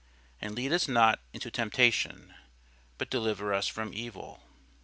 And lead us not into temptation; but deliver us from evil.